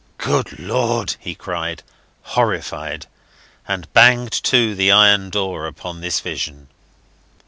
"Good Lord!" he cried, horrified, and banged to the iron door upon this vision.